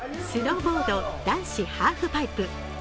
スノーボード男子ハーフパイプ。